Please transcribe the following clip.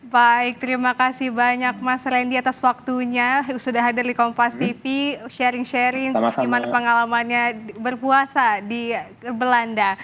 baik terima kasih banyak mas randy atas waktunya sudah hadir di kompas tv sharing sharing gimana pengalamannya berpuasa di belanda